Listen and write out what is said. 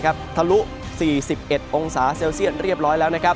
ทะลุ๔๑องศาเซลเซียตเรียบร้อยแล้ว